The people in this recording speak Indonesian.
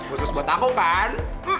khusus buat aku kan